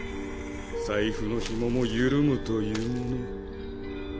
財布の紐も緩むというもの。